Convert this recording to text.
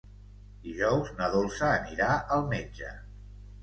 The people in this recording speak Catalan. Dijous na Dolça anirà al metge.